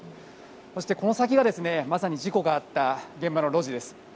そして、この先はまさに事故があった現場の路地です。